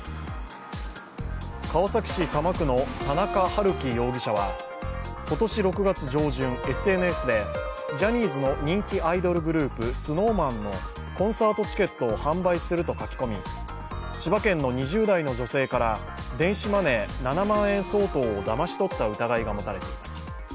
川崎市多摩区の田中遥貴容疑者は今年６月上旬、ＳＮＳでジャニーズの人気アイドルグループ・ＳｎｏｗＭａｎのコンサートチケットを販売すると書き込み、千葉県の２０代の女性から電子マネー７万円相当をだまし取った疑いが持たれています。